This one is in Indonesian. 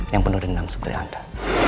yang penuh dendam seperti anda